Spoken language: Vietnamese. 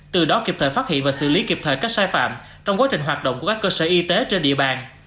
từ đó kịp thời phát hiện và xử lý kịp thời các sai phạm trong quá trình hoạt động của các cơ sở y tế trên địa bàn